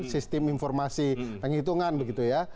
sistem informasi penghitungan begitu ya